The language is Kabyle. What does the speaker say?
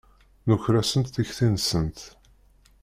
Nuker-asent tikti-nsent.